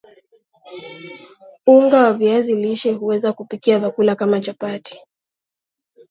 unga wa viazi lishe huweza kupikia vyakula kama chapati